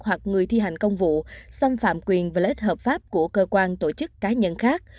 hoặc người thi hành công vụ xâm phạm quyền và lợi ích hợp pháp của cơ quan tổ chức cá nhân khác